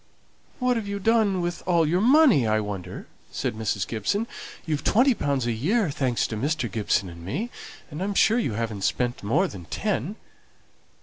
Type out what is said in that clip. "What have you done with all your money, I wonder?" said Mrs. Gibson. "You've twenty pounds a year, thanks to Mr. Gibson and me; and I'm sure you haven't spent more than ten."